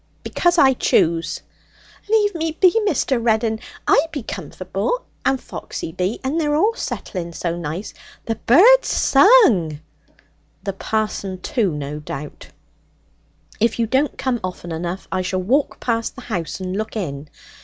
'Because I choose.' 'Leave me be, Mr. Reddin. I be comforble, and Foxy be, and they're all settling so nice. The bird's sung.' 'The parson, too, no doubt. If you don't come often enough, I shall walk past the house and look in.